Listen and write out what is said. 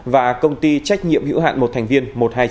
và công ty trách nhiệm hữu hạn một thành viên một trăm hai mươi chín